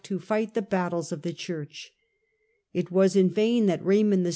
to fight the battles of the Church. It was in vain that Kaymond VI.